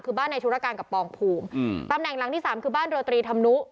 คือบ้านในธุรการกับปองภูมิอืมตำแหน่งหลังที่สามคือบ้านโรตรีธรรมนุ